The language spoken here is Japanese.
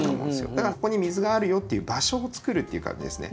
だからここに水があるよっていう場所をつくるっていう感じですね。